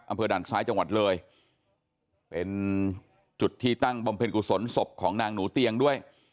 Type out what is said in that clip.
อำเภอด่านซ้ายจังหวัดเลยเป็นจุดที่ตั้งบำเพ็ญกุศลศพของนางหนูเตียงด้วย